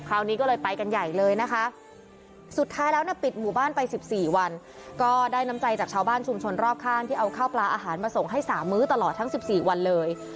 คราวนี้ก็เลยไปกันใหญ่เลยนะคะสุดท้ายแล้วเนี่ยปิดหมู่บ้านไป๑๔วันก็ได้น้ำใจจากชาวบ้านชุมชนรอบข้างที่เอาข้าวปลาอาหารมาส่งให้๓มื้อตลอดทั้ง๑๔วันเลย